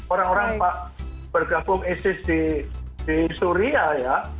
orang orang bergabung isis di suria ya